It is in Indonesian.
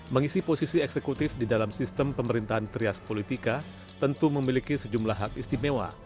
mengisi posisi eksekutif di dalam sistem pemerintahan trias politika tentu memiliki sejumlah hak istimewa